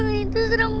itu serem banget